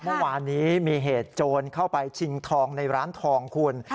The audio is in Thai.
เมื่อวานนี้มีเหตุโจรเข้าไปชิงทองในร้านทองคุณ